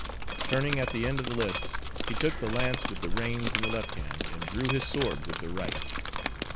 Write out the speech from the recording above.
Turning at the end of the lists, he took the lance with the reins in the left hand and drew his sword with the right.